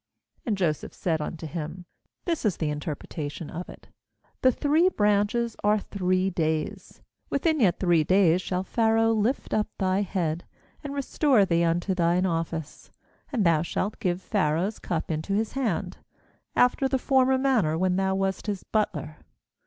^And Joseph said unto him: 'This is the interpretation of it : the three branches are three days; ^within yet three days shall Pharaoh lift up thy head, and restore thee unto thine office; and thou shalt give Pharaoh's cup into his hand, after the former manner when thou wast his butler.